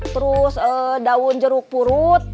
terus daun jeruk purut